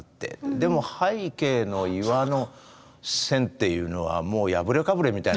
でも背景の岩の線というのはもう破れかぶれみたいな描き方ですよね。